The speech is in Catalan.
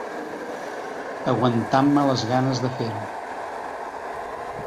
Aguantant-me les ganes de fer-ho.